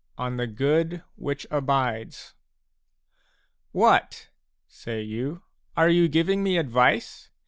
ON THE GOOD WHICH ABIDES " What/' say you, " are you giving me advice